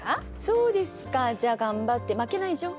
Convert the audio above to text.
そうですかじゃあ頑張って負けないじょ。